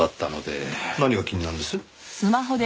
何が気になるんです？